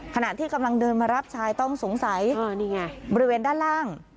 ขณะที่กำลังเดินมารับชายต้องสงสัยบริเวณด้านล่าง